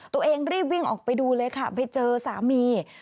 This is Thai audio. รีบวิ่งออกไปดูเลยค่ะไปเจอสามี